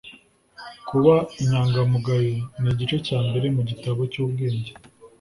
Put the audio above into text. kuba inyangamugayo ni igice cya mbere mu gitabo cy'ubwenge